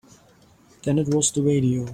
Then it was the radio.